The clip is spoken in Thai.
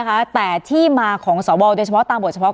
การแสดงความคิดเห็น